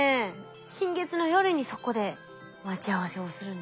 新月の夜にそこで待ち合わせをするんですね。